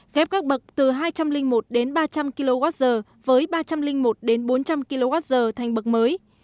ghép các bậc từ hai trăm linh một đến ba trăm linh kwh với ba trăm linh một đến bốn trăm linh kwh thành bậc mới